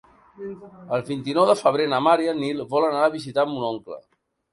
El vint-i-nou de febrer na Mar i en Nil volen anar a visitar mon oncle.